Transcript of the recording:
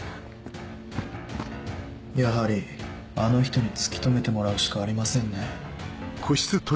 やはりあの人に突き止めてもらうしかありませんね。